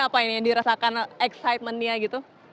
apa yang dirasakan excitement nya gitu